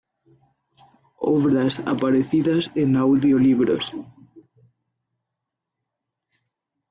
Obras aparecidas en audio libros